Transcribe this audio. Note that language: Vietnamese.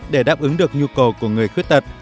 để đáp ứng được nhu cầu của người khuyết tật